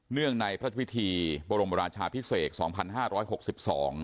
เนื่องในพระราชพิธีบรมราชาพิศษภกษ์๒๕๖๒